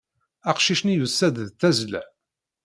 Aqcic-nni yusa-d d tazzla.